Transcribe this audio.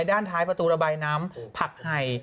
ด้านท้ายประตูระบายน้ำผักไห่